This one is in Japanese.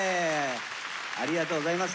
ありがとうございます。